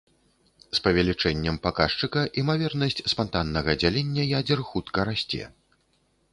З павелічэннем паказчыка імавернасць спантаннага дзялення ядзер хутка расце.